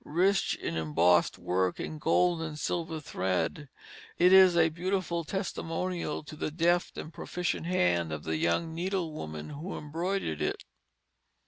Rich in embossed work in gold and silver thread, it is a beautiful testimonial to the deft and proficient hand of the young needlewoman who embroidered it.